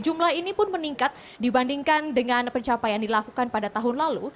jumlah ini pun meningkat dibandingkan dengan pencapaian dilakukan pada tahun lalu